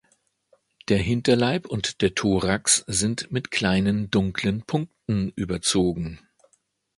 Der Hinterleib und der Thorax sind mit kleinen dunklen Punkten überzogen.